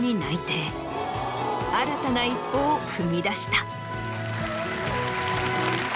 新たな一歩を踏み出した。